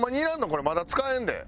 これまだ使えんで。